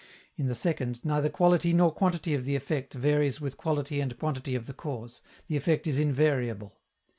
In the second, neither quality nor quantity of the effect varies with quality and quantity of the cause: the effect is invariable.